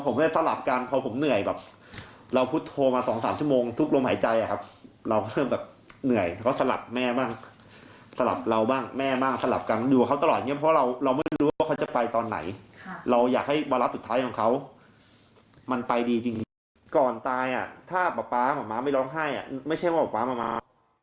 สำหรับเราบ้างแม่บ้างสำหรับกันดูเขาก็หลายอย่างเงี้ยเพราะเราเราไม่รู้ว่าเขาจะไปตอนไหนครับเราอยากให้บารัสสุดท้ายของเขามันไปดีจริงจริงก่อนตายอ่ะถ้าป่าป่าหม่าม้าไม่ร้องไห้อ่ะไม่ใช่ว่าป่าหม่าม้า